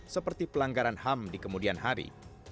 seperti pelanggaran ham di kemudian hari